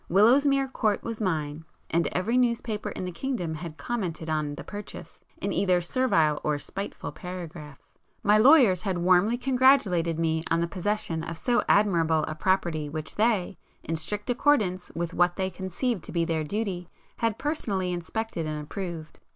Willowsmere Court was mine, and every newspaper in the kingdom had commented on the purchase, in either servile or spiteful paragraphs. My lawyers had warmly congratulated me on the possession of so admirable a property which they, in strict accordance with what they conceived to be their duty, had personally inspected and approved.